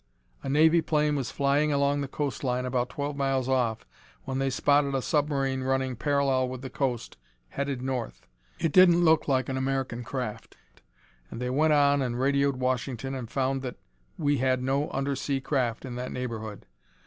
A Navy plane was flying along the coast line about twelve miles off when they spotted a submarine running parallel with the coast, headed north. It didn't look like an American craft and they went on and radioed Washington and found that we had no under sea craft in that neighborhood.